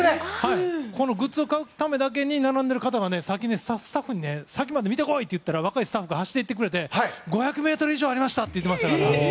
このグッズを買うためだけに並んでいる方をスタッフに先まで見て来いと言ったら若いスタッフが走って行って５００ｍ以上ありましたって言ってました。